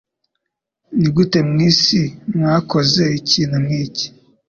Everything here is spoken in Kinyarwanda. Nigute mwisi mwakoze ikintu nkiki?